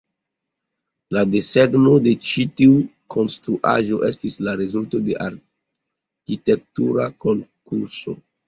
La desegno de ĉi tiu konstruaĵo estis la rezulto de arkitektura konkurso.